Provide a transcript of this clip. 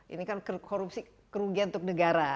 ini kan korupsi kerugian untuk negara